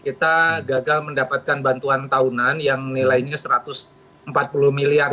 kita gagal mendapatkan bantuan tahunan yang nilainya satu ratus empat puluh miliar